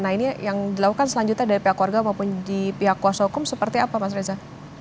nah ini yang dilakukan selanjutnya dari pihak keluarga maupun di pihak kuasa hukum seperti apa mas reza